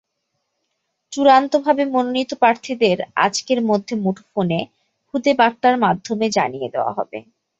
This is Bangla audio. চূড়ান্তভাবে মনোনীত প্রার্থীদের আজকের মধ্যে মুঠোফোনে খুদেবার্তার মাধ্যমে জানিয়ে দেওয়া হবে।